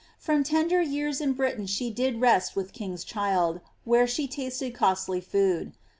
* From tender years in Britain she did rest With kings child,* where she tasted costly food.